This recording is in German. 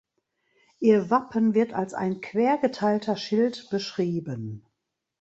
Ihr Wappen wird als ein quer geteilter Schild beschrieben.